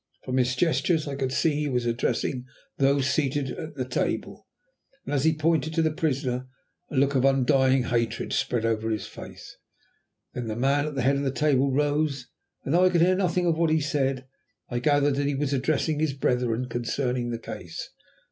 From his gestures I could see that he was addressing those seated at the table, and, as he pointed to the prisoner, a look of undying hatred spread over his face. Then the man at the head of the table rose, and though I could hear nothing of what he said, I gathered that he was addressing his brethren concerning the case.